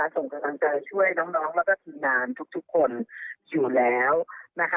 ส่งกำลังใจช่วยน้องแล้วก็ทีมงานทุกคนอยู่แล้วนะคะ